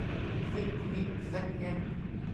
ซิกงิกแซ็กแง็ก